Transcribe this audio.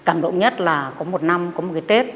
cảm động nhất là có một năm có một cái tết